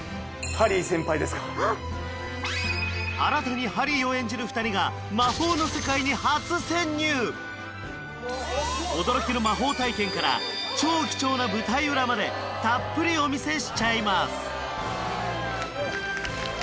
新たにハリーを演じる２人が驚きの魔法体験から超貴重な舞台裏までたっぷりお見せしちゃいます